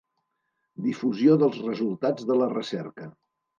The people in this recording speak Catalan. Difusió dels resultats de la recerca.